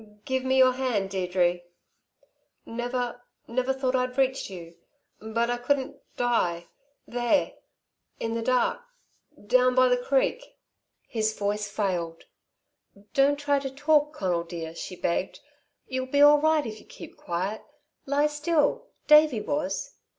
"Give me your hand, Deirdre never never thought I'd reach you but I couldn't die there in the dark down by the creek." His voice failed. "Don't try to talk, Conal dear," she begged. "You'll be all right if you keep quiet lie still Davey was."